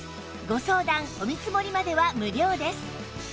ご相談お見積もりまでは無料です